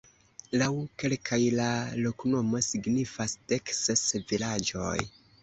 Laŭ kelkaj la loknomo signifas: dek ses vilaĝoj.